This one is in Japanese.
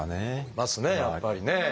いますねやっぱりね。